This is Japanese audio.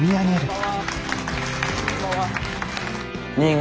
あ。